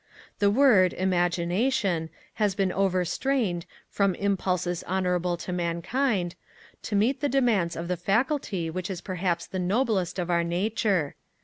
The word, Imagination, has been overstrained, from impulses honourable to mankind, to meet the demands of the faculty which is perhaps the noblest of our nature.